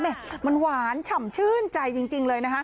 มันหวานฉ่ำชื่นใจจริงเลยนะคะ